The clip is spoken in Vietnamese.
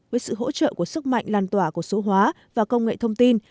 với sự hỗ trợ của sức mạnh lan tỏa của số hóa và công nghệ thông tin